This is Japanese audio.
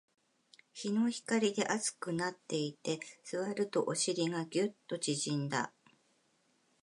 日の光で熱くなっていて、座るとお尻がギュッと縮んだ